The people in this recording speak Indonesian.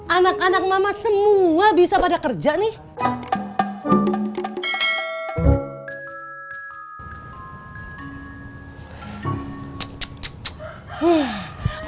anak anak mama semua bisa pada kerja nih